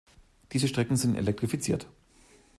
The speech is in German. Diese Strecken sind elektrifiziert.